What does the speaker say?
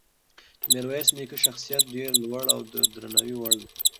د میرویس نیکه شخصیت ډېر لوړ او د درناوي وړ دی.